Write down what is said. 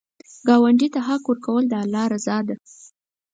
ګاونډي ته حق ورکول، د الله رضا ده